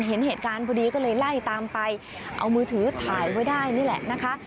เห็นเหตุการณ์พอดีก็เลยไล่ตามไปเอามือถือถ่ายไว้ได้นี่แหละนะคะ